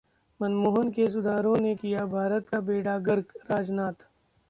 मनमोहन के सुधारों ने किया भारत का बेड़ा गर्क: राजनाथ